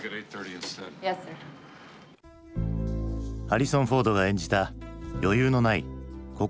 ハリソン・フォードが演じた余裕のない心